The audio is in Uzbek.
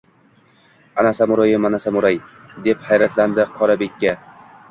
– Ana Samuray-u, mana Samuray! – deb hayratlandi Qorabeka